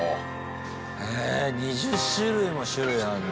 へえ２０種類も種類あるんだ。